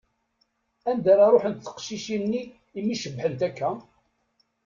Anda ara ṛuḥent teqcicin-nni i mi cebbḥent akka?